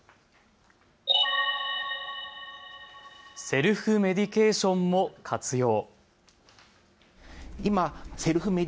セルフメディケーションも活用。